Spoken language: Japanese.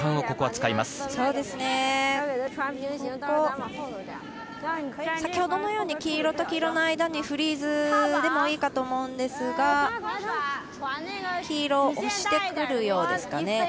ここ、先ほどのように黄色と黄色の間にフリーズでもいいかと思うんですが、黄色、押してくるようですかね。